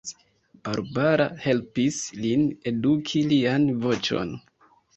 Barbara helpis lin eduki lian voĉon.